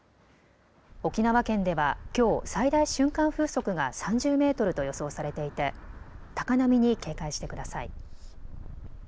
沖縄県ではきょう最大瞬間風速が３０メートルと予想されていて高波に警戒してください。